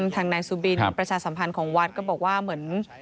ทางนายสุบินประชาสัมพันธ์ของวัดก็บอกว่าเหมือน